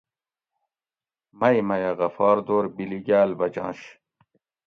مئ میہ غفار دور بیلی گاۤل بچںش